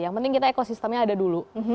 yang penting kita ekosistemnya ada dulu